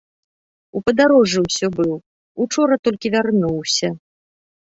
У падарожжы ўсё быў, учора толькі вярнуўся.